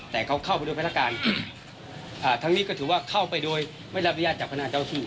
แต่เขาเข้าไปด้วยพนักการทั้งนี้ก็ถือว่าเข้าไปโดยไม่รับอนุญาตจากพนักเจ้าที่